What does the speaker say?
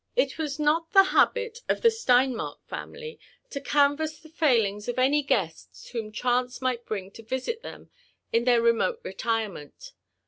It was not the habit of the Steinmark family to canvass the failings of any guests whom chance might bring to visit them in their remote retirement.